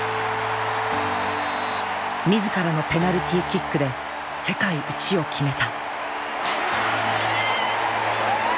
自らのペナルティーキックで世界一を決めた。